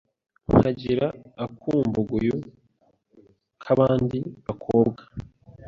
nkagira akumbuguyu k’abandi bakobwa